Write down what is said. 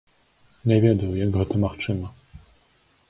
Не ведаю, як гэта магчыма.